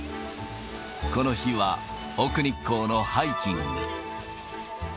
この日は奥日光のハイキング。